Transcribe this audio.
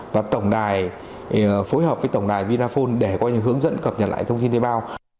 và tổng đài phối hợp với tổng đài vinaphone để có những hướng dẫn cập nhật lại thông tin thuê bao